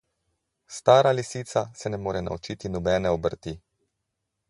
Stara lisica se ne more naučiti nobene obrti.